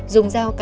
đưa tên hải về nhà